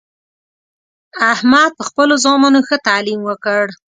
احمد په خپلو زامنو ښه تعلیم وکړ